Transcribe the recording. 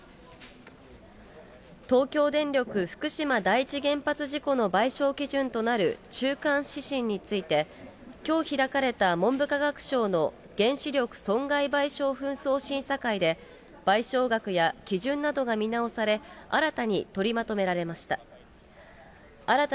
東京電力福島第一原発事故の賠償基準となる中間指針について、きょう開かれた文部科学省の原子力損害賠償紛争審査会で、賠償額や基準などが見直され、新たに取りまとめられました。